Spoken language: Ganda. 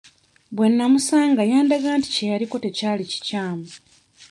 Bwe nnamusanga yandaga nti kye yaliko tekyali kikyamu.